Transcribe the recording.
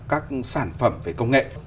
các sản phẩm về công nghệ